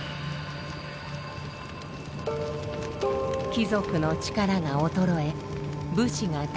貴族の力が衰え武士が台頭。